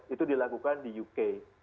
itu dilakukan di uk